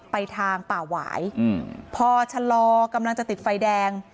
ไปทางป่าหวายพอชะลอกำลังจะติดไฟแดง